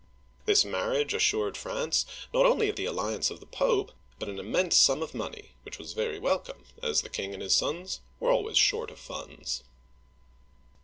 This marriage assured France, not only the alliance of the Pope, but an immense sum of money, which was very welcome, as the king and his sons were always short of funds.